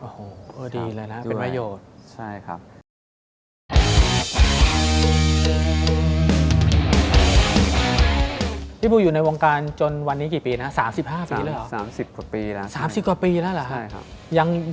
โอ้โหดีเลยนะเป็นประโยชน์ใช่ครับ